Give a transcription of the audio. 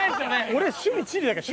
俺趣味地理だから！